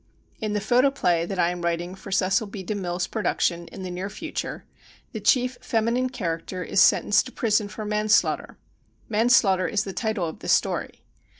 In the photoplay that I am writing for Cecil B. De Mille's production, in the near future, the chief feminine character is sentenced tb prison for man slaughter. "Manslaughter" is the title of the story.